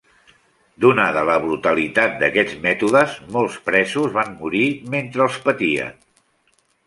Donada la brutalitat d'aquests mètodes, molts presos van morir mentre els patien.